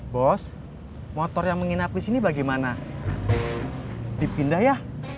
bos motor yang menginap disini bagaimana dipindah ya